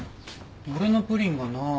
俺のプリンがない。